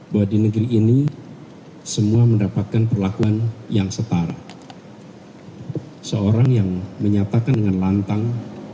bahwa di negeri ini semua mendapatkan perlakuan yang setara seorang yang menyatakan dengan lantang